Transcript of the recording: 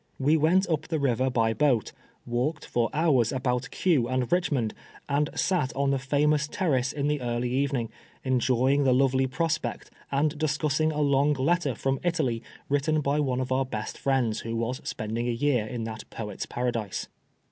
We went up the river by boat, walked for hours about Kew and Rich mond, and sat on the famous Terrace in the early evening, enjoying the lovely prospect, and discussing a long letter from Italy, written by one of our best friends, who was spending a year in that poet's paradise.